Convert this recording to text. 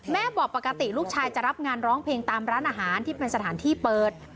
บอกปกติลูกชายจะรับงานร้องเพลงตามร้านอาหารที่เป็นสถานที่เปิด